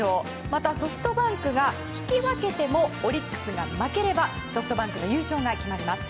また、ソフトバンクが引き分けてもオリックスが負ければソフトバンクの優勝が決まります。